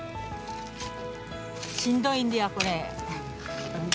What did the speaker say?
しんどいんじゃこれ。